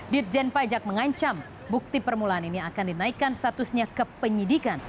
ditjen pajak mengancam bukti permulaan ini akan dinaikkan statusnya ke penyidikan